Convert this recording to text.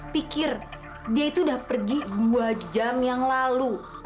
pikir dia itu udah pergi dua jam yang lalu